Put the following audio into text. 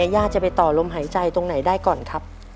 ย่าจะไปต่อลมหายใจตรงไหนได้ก่อนครับ